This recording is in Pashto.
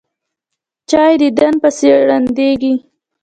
چا یې دیدن پسې ړندېږي.